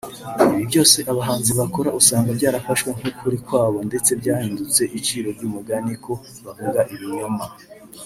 Ibi byose abahanzi bakora usanga byarafashwe nk’ukuri [kwabo] ndetse byahindutse iciro ry’umugani ko ‘bavuga ibinyoma